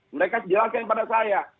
mereka jelaskan pada saya